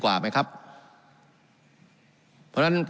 การปรับปรุงทางพื้นฐานสนามบิน